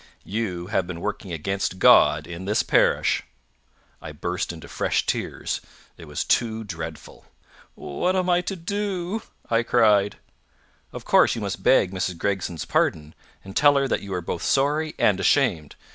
You have been working against God in this parish." I burst into fresh tears. It was too dreadful. "What am I to do?" I cried. "Of course you must beg Mrs. Gregson's pardon, and tell her that you are both sorry and ashamed."